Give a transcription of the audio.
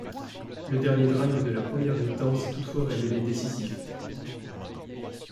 Le dernier drive de la première mi-temps s'est toutefois révélé décisif.